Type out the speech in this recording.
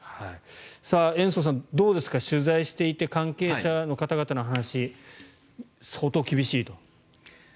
延増さん、どうですか取材していて関係者の方々の話相当厳しいと？